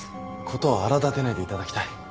事を荒立てないでいただきたい。